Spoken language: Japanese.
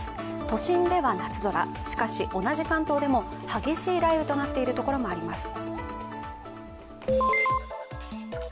都心では夏空、しかし、同じ関東でも激しい雷雨となっているところもあります。